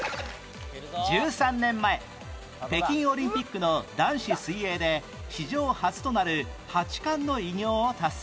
１３年前北京オリンピックの男子水泳で史上初となる８冠の偉業を達成